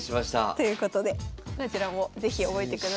ということでこちらも是非覚えてください。